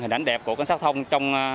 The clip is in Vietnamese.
hình ảnh đẹp của cảnh sát thông trong